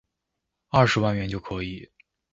二十萬元就可以